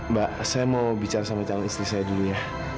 mbak saya mau bicara sama calon istri saya dulu ya